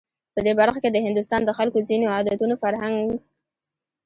په دې برخه کې د هندوستان د خلکو ځینو عادتونو، فرهنک